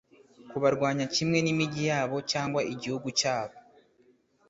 kubarwanya kimwe n'imigi yabo cyangwa igihugu cyabo